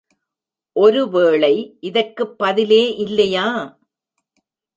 ஒருவேளை இதற்குப் பதிலே இல்லையா?